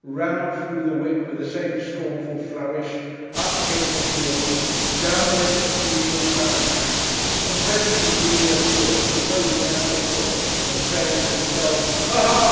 Round flew the whip with the same scornful flourish, up came the heels, down went the steeple crowned hat, and presently he reappeared, reposing as before and saying to himself, 'Ha ha!